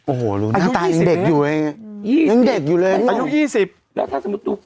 โอ้โหหน้าตายังเด็กอยู่เองยังเด็กอยู่เลยอายุยี่สิบแล้วถ้าสมมุติดู